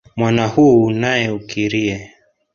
Mwana huu nae ukirie.